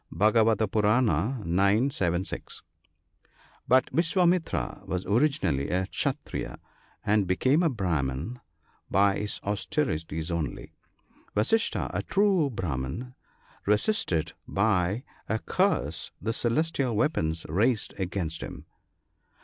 Bhagvata — Pooran — ix. 7, 6. But Vaswamitra was originally a Kshattriya, and became a Brahman by his austerities only. Vasistha, a true Brahman, resisted by a curse the celestial weapons raised against him.